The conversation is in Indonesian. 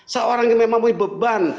seorang yang memiliki beban